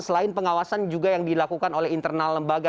selain pengawasan juga yang dilakukan oleh internal lembaga